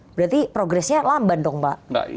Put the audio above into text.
berarti progresnya lamban dong pak